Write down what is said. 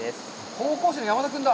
高校生の山田君だ。